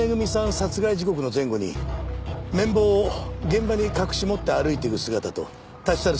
殺害時刻の前後に麺棒を現場に隠し持って歩いていく姿と立ち去る